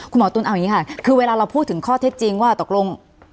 คุณหมอตุ๋นเอาอย่างนี้ค่ะคือเวลาเราพูดถึงข้อเท็จจริงว่าตกลง